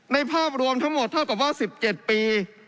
ภาพรวมทั้งหมดเท่ากับว่า๑๗ปี